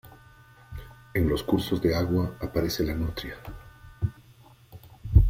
En los cursos de agua aparece la nutria.